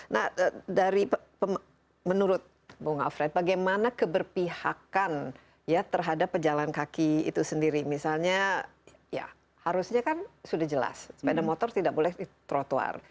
nah dari menurut bung alfred bagaimana keberpihakan ya terhadap pejalan kaki itu sendiri misalnya ya harusnya kan sudah jelas sepeda motor tidak boleh di trotoar